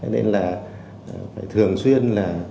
nên là phải thường xuyên